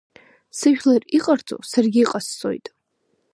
Сыжәлар иҟарҵо, саргьы иҟасҵоит…